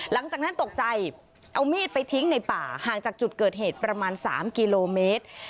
หลังจากนั้นตกใจเอามีดไปทิ้งในป่าห่างจากจุดเกิดเหตุประมาณ๓กิโลเมตร